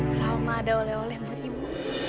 sama ada oleh oleh buat ibu